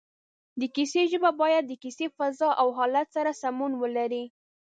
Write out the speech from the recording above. د کیسې ژبه باید د کیسې فضا او حالت سره سمون ولري